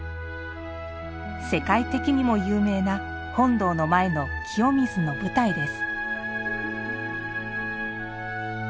世界的にも有名な本堂の前の清水の舞台です。